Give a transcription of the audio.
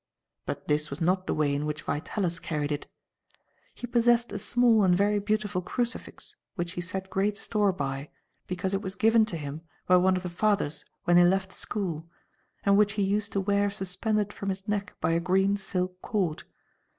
But this was not the way in which Vitalis carried it. He possessed a small and very beautiful crucifix which he set great store by, because it was given to him by one of the fathers when he left school, and which he used to wear suspended from his neck by a green silk cord.